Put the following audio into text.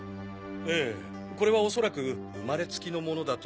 ええこれは恐らく生まれつきのものだと。